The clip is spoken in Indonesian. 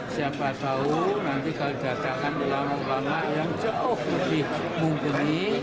siapa tahu nanti kalau dikatakan ulama ulama yang jauh lebih mumpuni